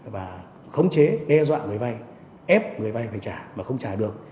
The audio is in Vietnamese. và khống chế đe dọa người vay ép người vay phải trả mà không trả được